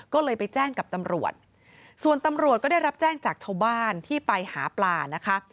ก็เลยไปแจ้งกับตำรวจส่วนตำรวจก็ได้รับแจ้งจากชาวบ้านที่ไปหาปลานะคะ